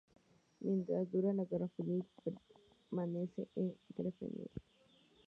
Mientras dura la Guerra Civil, permanece en Fregenal.